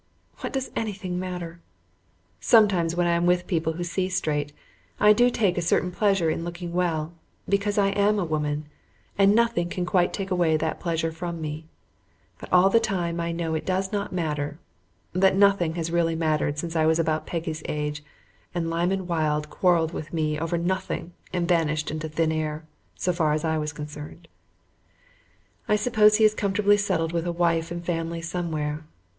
What does anything matter? Sometimes, when I am with people who see straight, I do take a certain pleasure in looking well, because I am a woman, and nothing can quite take away that pleasure from me; but all the time I know it does not matter, that nothing has really mattered since I was about Peggy's age and Lyman Wilde quarrelled with me over nothing and vanished into thin air, so far as I was concerned. I suppose he is comfortably settled with a wife and family somewhere.